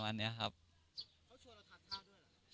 เขาชวนเราทานข้าวด้วย